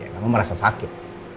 kamu merasa sakit